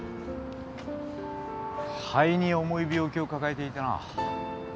肺に重い病気を抱えていてな。